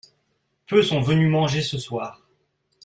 Peu sont venus manger ce soir.